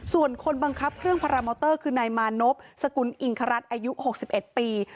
ส่วนคนบังคับเครื่องพารามอเตอร์คือนายมานพสกุลอิงครัฐอายุ๖๑ปี